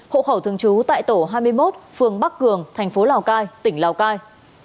hộ khẩu thường trú tại tổ hai mươi một phường bắc cường thành phố lào cai tỉnh lào cai